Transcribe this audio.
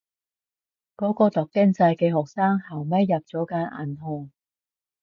嗰個讀經濟嘅學生後尾入咗間銀行